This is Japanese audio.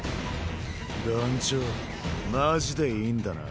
団ちょマジでいいんだな？